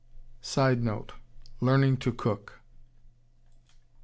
[Sidenote: Learning to cook.